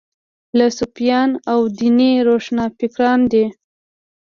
لکه صوفیان او دیني روښانفکران دي.